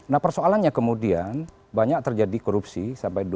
nah persoalannya kemudian banyak terjadi korupsi sampai dua ribu dua puluh empat tadi itu melibatkan